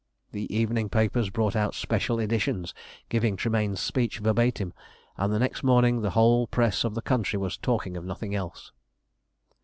The evening papers brought out special editions giving Tremayne's speech verbatim, and the next morning the whole press of the country was talking of nothing else.